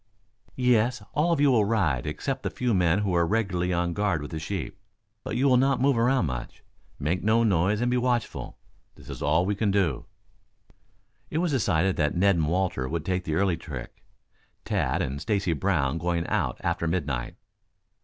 "Yes. All of us will ride, excepting the few men who are regularly on guard with the sheep. But you will not move around much. Make no noise and be watchful. That is all we can do." It was decided that Ned and Walter should take the early trick; Tad and Stacy Brown going out after midnight.